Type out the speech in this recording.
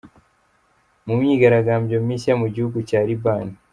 mu myigaragambyo mishya Mugihugu Cya Libani